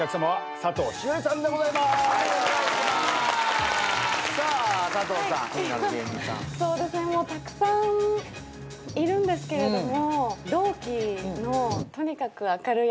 そうですねもうたくさんいるんですけれども。